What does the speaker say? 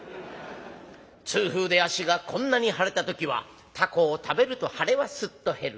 痛風で足がこんなに腫れた時はタコを食べると腫れはスッと減る」。